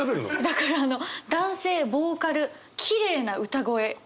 だからあの「男性ボーカルきれいな歌声いい歌」。